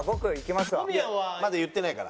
まだ言ってないから。